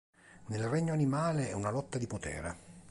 Nel regno animale, è una lotta di potere.